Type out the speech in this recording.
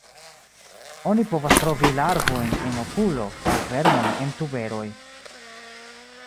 Oni povas trovi larvojn en okulo, aŭ vermojn en tuberoj.